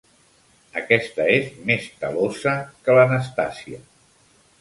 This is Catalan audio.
Aquesta és més talossa que l'Anastàsia.